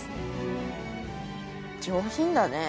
上品だね。